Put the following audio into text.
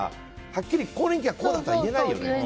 はっきりと更年期はこうって言えないよね。